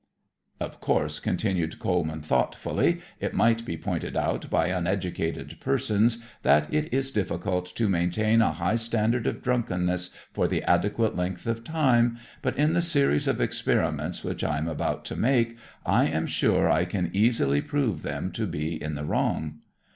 "Of course," continued Coleman, thoughtfully. "It might be pointed out by uneducated persons that it is difficult to maintain a high standard of drunkenness for the adequate length of time, but in the series of experiments which I am about to make, I am sure I can easily prove them to be in the wrong."